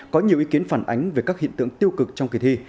có nhiều ý kiến phản ánh về các hiện tượng tiêu cực trong kỳ thi